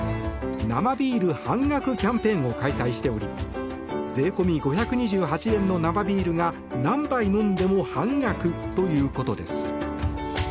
生ビール半額キャンペーンを開催しており税込み５２８円の生ビールが何杯飲んでも半額ということです。